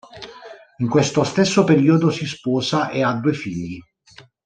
In questo stesso periodo si sposa e ha due figli.